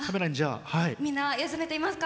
みんな休めていますか？